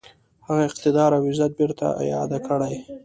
هغه اقتدار او عزت بیرته اعاده کړي.